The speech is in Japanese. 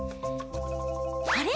あれ？